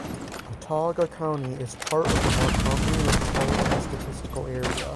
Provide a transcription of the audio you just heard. Autauga County is part of the Montgomery Metropolitan Statistical Area.